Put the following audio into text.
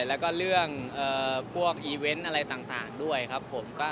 แล้วก็เรื่องพวกอีเวนต์อะไรต่างด้วยครับผม